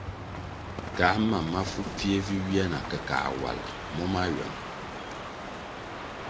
Kā mam mafu pfie vi ywia na ke kā wal mo mahywama.